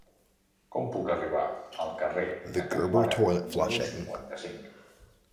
Com puc arribar al carrer de Can Móra número cinquanta-cinc?